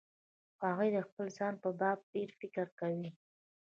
هغوی د خپل ځان په باب ډېر فکر کوي.